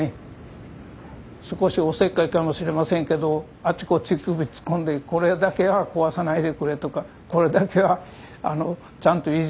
少しお節介かもしれませんけどあちこち首突っ込んで「これだけは壊さないでくれ」とか「これだけはちゃんと維持して下さいよ」